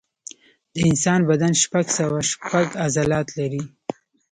د انسان بدن شپږ سوه شپږ عضلات لري.